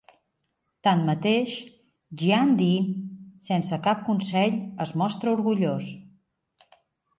Tanmateix, Gian Dinh, sense seguir cap consell, es mostra orgullós.